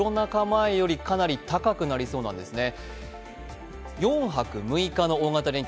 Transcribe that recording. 前よりかなり高くなりそうなんですね。